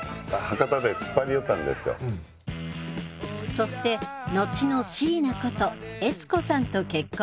そしてのちのシーナこと悦子さんと結婚。